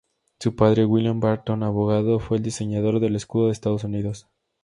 Su padre William Barton, abogado, fue el diseñador del escudo de Estados Unidos.